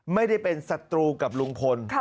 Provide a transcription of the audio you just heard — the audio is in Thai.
ไม่ได้เป็นศัตรูกับลุงพล